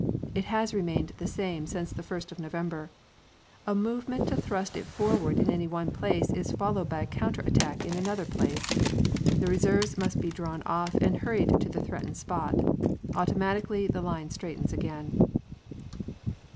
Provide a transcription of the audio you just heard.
It has remained the same since the first of November. A movement to thrust it forward in any one place is followed by a counter attack in another place. The reserves must be drawn off and hurried to the threatened spot. Automatically the line straightens again.